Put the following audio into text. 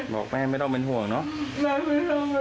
บอกแม่ไม่ต้องเป็นห่วงเนาะ